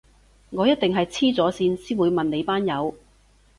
我一定係痴咗線先會問你班友